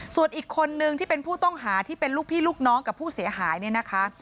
ส่วนอีกคนนึงที่เป็นผู้ต้องหาที่เป็นลูกพี่ลูกน้องกับผู้เสียหายเนี่ยนะคะ